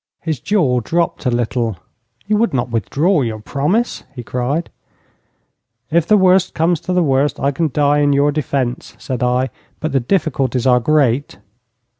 His jaw dropped a little. 'You would not withdraw your promise?' he cried. 'If the worst comes to the worst I can die in your defence,' said I; 'but the difficulties are great.'